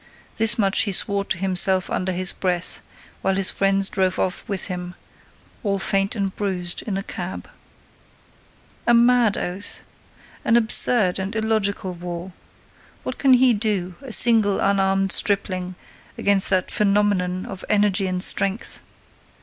This much he swore to himself under his breath, while his friends drove off with him, all faint and bruised, in a cab. A mad oath! An absurd and illogical war! What can he do, a single, unarmed stripling, against that phenomenon of energy and strength?